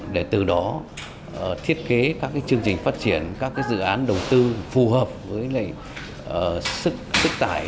để từ đó thiết kế các chương trình phát triển các dự án đầu tư phù hợp với sức tải